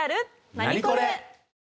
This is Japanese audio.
ナニコレ！